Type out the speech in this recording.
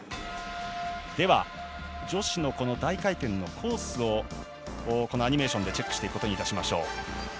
では、女子の大回転のコースをアニメーションでチェックしていくことにいたしましょう。